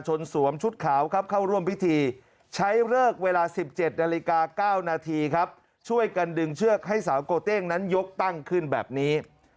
สวมชุดขาวครับเข้าร่วมพิธีใช้เลิกเวลา๑๗นาฬิกา๙นาทีครับช่วยกันดึงเชือกให้สาวโกเต้งนั้นยกตั้งขึ้นแบบนี้